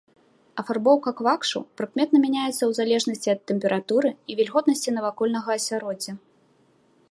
Афарбоўка квакшаў прыкметна мяняецца ў залежнасці ад тэмпературы і вільготнасці навакольнага асяроддзя.